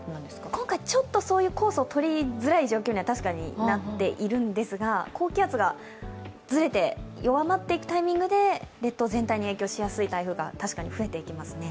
今回、ちょっとそういうコースをとりづらい状況にはなっているんですが高気圧がずれて弱まっていくタイミングで列島全体に影響しやすい台風が確かに増えていきますね。